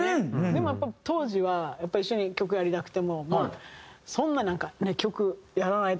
でもやっぱり当時は一緒に曲やりたくてもそんなになんか。